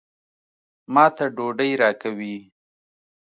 ما ته ډوډۍ راکوي.